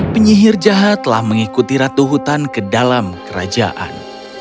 penyihir jahat telah mengikuti ratu hutan ke dalam kerajaan